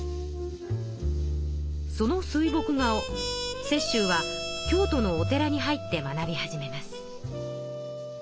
その水墨画を雪舟は京都のお寺に入って学び始めます。